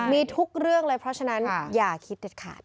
มีทุกเรื่องเลยเพราะฉะนั้นอย่าคิดเด็ดขาด